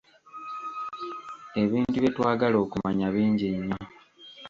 Ebintu bye twagala okumanya, bingi nnyo.